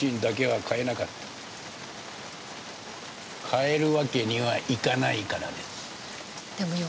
変えるわけにはいかないからです。